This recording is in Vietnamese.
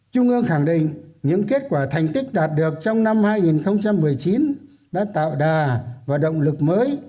trung ương khẳng định những kết quả thành tích đạt được trong năm hai nghìn một mươi chín đã tạo đà và động lực mới